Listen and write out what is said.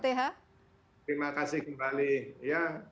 terima kasih kembali ya